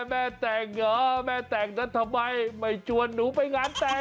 แม่แต่งเหรอแม่แต่งนั้นทำไมไม่ชวนหนูไปงานแต่ง